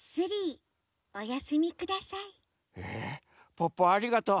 ポッポありがとう。